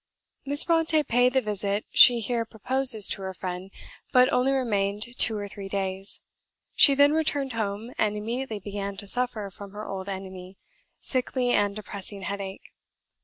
Miss Brontë paid the visit she here proposes to her friend, but only remained two or three days. She then returned home, and immediately began to suffer from her old enemy, sickly and depressing headache.